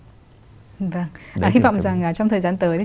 hy vọng rằng trong thời gian tới chúng ta sẽ nhận được những bức tranh này